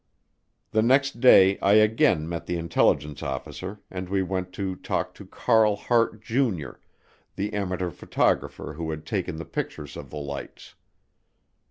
The next day I again met the intelligence officer and we went to talk to Carl Hart, Jr., the amateur photographer who had taken the pictures of the lights.